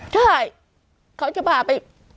ใช่เขาจะพาไป